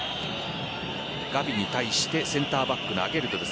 ガヴィに対してセンターバックのアゲルドです。